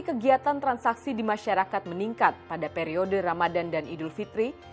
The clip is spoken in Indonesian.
dan kegiatan transaksi di masyarakat meningkat pada periode ramadhan dan idul fitri